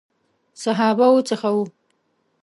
صحابه وو څخه وو.